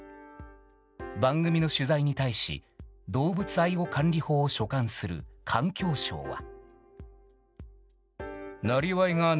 番組の取材に対し動物愛護管理法を所管する環境省は。